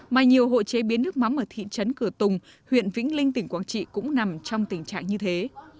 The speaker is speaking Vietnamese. mà nhiều hộ chế biến nước mắm ở thị trấn cửa tùng huyện vĩnh linh tỉnh quảng trị cũng nằm trong tình trạng như thế